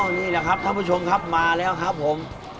นี่แหละครับท่านผู้ชมครับมาแล้วครับผม